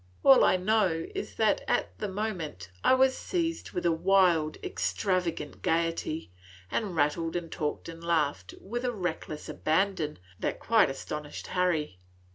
All I know is that, at the moment, I was seized with a wild, extravagant gayety, and rattled and talked and laughed with a reckless abandon that quite astonished Harry.